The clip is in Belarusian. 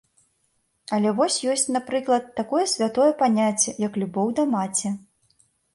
Але вось ёсць, напрыклад, такое святое паняцце, як любоў да маці.